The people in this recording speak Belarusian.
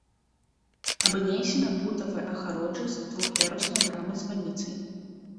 Абнесена бутавай агароджай з двух'яруснай брамай-званіцай.